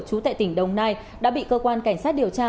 trú tại tỉnh đồng nai đã bị cơ quan cảnh sát điều tra